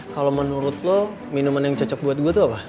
kalau menurut lo minuman yang cocok buat gue tuh apa